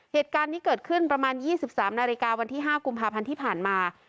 เหตุการณ์นี้เกิดขึ้นประมาณ๒๓นาฬิกาวันที่๕กุมภาพันธ์ที่ผ่านมา